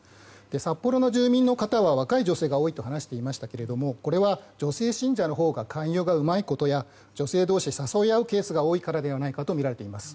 札幌の住民の方は女性の方が多いと話していましたがこれは女性信者のほうが勧誘がうまいことや女性同士誘い合うケースが多いからではないかとみられています。